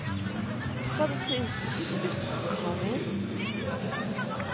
高田選手ですかね？